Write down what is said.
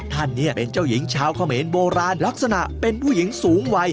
ท่านเนี่ยเป็นเจ้าหญิงชาวเขมรโบราณลักษณะเป็นผู้หญิงสูงวัย